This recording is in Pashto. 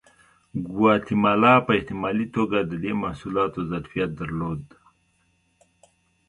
ګواتیمالا په احتمالي توګه د دې محصولاتو ظرفیت درلود.